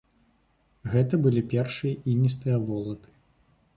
Гэта былі першыя іністыя волаты.